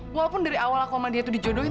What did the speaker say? walaupun dari awal aku sama dia tuh dijodohin